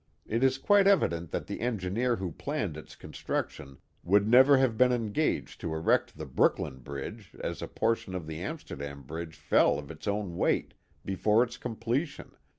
It is quiie evident that the engineer who planned its construction would never have been engaged to erect the Brooklyn liTidge. as a portion of the Amsterdam Bridge fell of its own weight before its complelion.